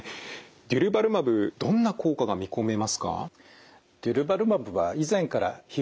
デュルバルマブどんな効果が見込めますか？